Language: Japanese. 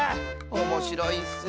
おもしろいッス！